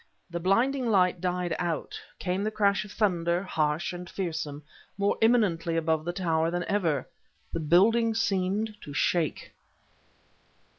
The blinding light died out; came the crash of thunder, harsh and fearsome, more imminently above the tower than ever. The building seemed to shake.